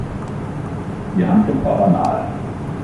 Die Handlung war banal.